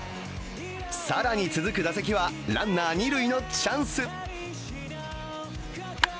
更に続く打席はランナー二塁のチャンス。